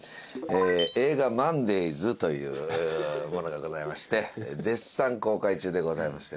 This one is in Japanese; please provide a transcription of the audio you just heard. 映画『ＭＯＮＤＡＹＳ』というものがございまして絶賛公開中でございましてね。